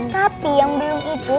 tapi yang belom gitu